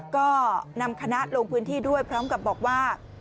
ก็นำคณะลงพื้นที่ด้วยพร้อมกับบอกว่า